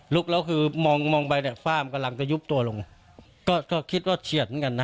แล้วคือมองมองไปเนี่ยฝ้ามันกำลังจะยุบตัวลงก็ก็คิดว่าเฉียดเหมือนกันนะ